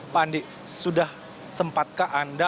pak andi sudah sempatkah anda